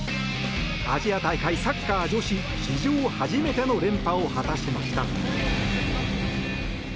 アジア大会サッカー女子史上初の連覇を果たしました。